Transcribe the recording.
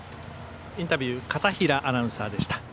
インタビュー片平アナウンサーでした。